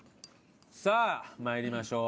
さあ参りましょう。